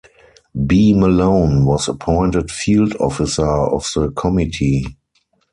B. Malone, was appointed Field Officer of the committee.